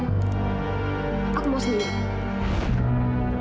aku mau sendiri